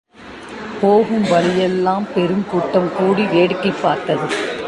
போகும் வழியெல்லாம் பெருங்கூட்டம்கூடி வேடிக்கை பார்த்தது.